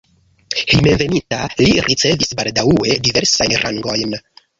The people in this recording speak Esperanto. Hejmenveninta li ricevis baldaŭe diversajn rangojn.